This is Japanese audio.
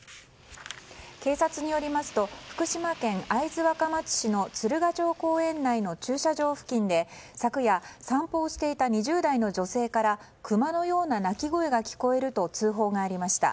警察によりますと福島県会津若松市の鶴ヶ城公園内の駐車場付近で昨夜、散歩をしていた２０代の女性からクマのような鳴き声が聞こえると通報がありました。